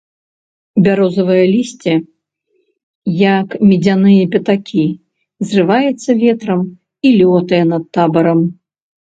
Бярозавае лісце, як медзяныя пятакі, зрываецца ветрам і лётае над табарам.